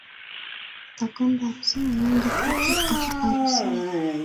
Takwenda harusini nionde keki a harusini.